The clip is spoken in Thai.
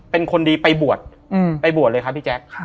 เป็นคนดีไปบวชไปบวชเลยครับพี่แจ๊ค